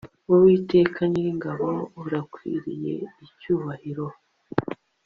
uwiteka nyiringabo urakwiriye icyubahiro